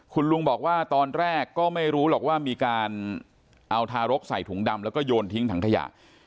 คุณลุงบอกว่าตอนแรกก็ไม่รู้หรอกว่ามีการเอาทารกใส่ถุงดำแล้วก็โยนทิ้งถังขยะ